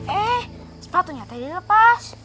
eh sepatunya tadi dilepas